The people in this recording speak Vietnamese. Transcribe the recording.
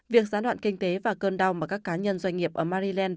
việc giãn đoạn kinh tế và cơn đau mà các cá nhân doanh nghiệp ở maryland